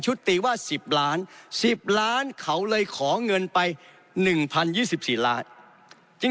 ตีว่า๑๐ล้าน๑๐ล้านเขาเลยขอเงินไป๑๐๒๔ล้าน